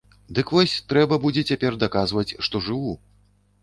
Дык вось, трэба будзе цяпер даказваць, што жыву.